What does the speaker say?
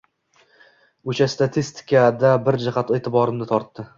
Oʻsha statistikada bir jihat eʼtiborimni tortdi.